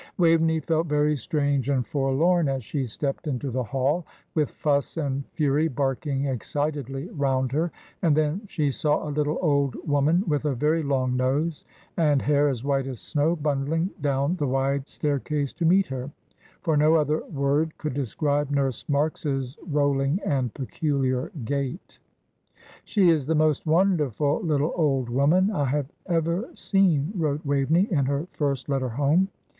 Waveney felt very strange and forlorn as she stepped into the hall, with Fuss and Fury barking excitedly round her, and then she saw a little old woman with a very long nose, and hair as white as snow bundling down the wide staircase to meet her; for no other word could describe Nurse Marks's rolling and peculiar gait. "She is the most wonderful little old woman I have ever seen," wrote Waveney, in her first letter home.